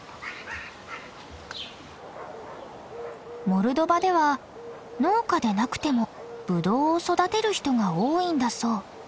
モルドバでは農家でなくてもブドウを育てる人が多いんだそう。